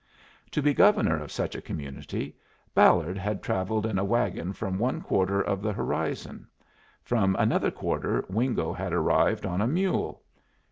To be governor of such a community Ballard had travelled in a wagon from one quarter of the horizon; from another quarter Wingo had arrived on a mule.